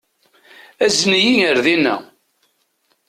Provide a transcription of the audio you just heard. Azen-iyi ar dina.